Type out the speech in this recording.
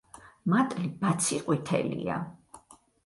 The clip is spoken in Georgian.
მატლი ბაცი ყვითელია.